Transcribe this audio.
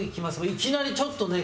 いきなりちょっとね